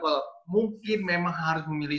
well mungkin memang harus memilih